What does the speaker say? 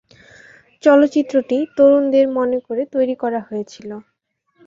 চলচ্চিত্রটি তরুণদের মনে করে তৈরি করে হয়েছিল।